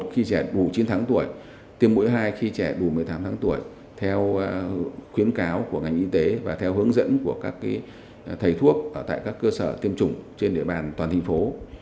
khi trẻ đủ chín tháng tuổi tiêm mũi hai khi trẻ đủ một mươi tám tháng tuổi theo khuyến cáo của ngành y tế và theo hướng dẫn của các thầy thuốc tại các cơ sở tiêm chủng trên địa bàn toàn thành phố